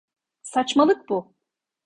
Saçmalık bu!